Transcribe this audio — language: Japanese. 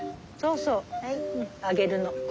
そうそうあげるの。